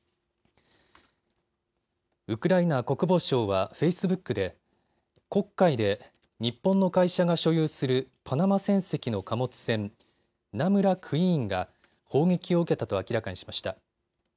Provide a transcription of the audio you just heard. ウクライナ国防省はフェイスブックで黒海で日本の会社が所有するパナマ船籍の貨物船、ナムラ・クイーンが砲撃を受けたと明らかにしました。